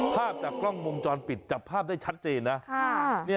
ภาพจากกล้องวงจรปิดจับภาพได้ชัดเจนนะ